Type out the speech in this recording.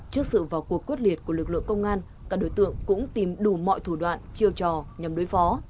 trước sự vào cuộc quyết liệt của lực lượng công an các đối tượng cũng tìm đủ mọi thủ đoạn chiêu trò nhằm đối phó